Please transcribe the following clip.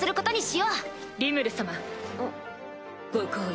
ご厚意